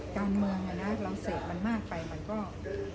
การเมื่องไงนะเราเสพมันมากไปตัวเอง